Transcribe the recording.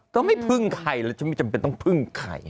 ไม่พึ่งใครเลยฉันไม่จำเป็นต้องพึ่งใคร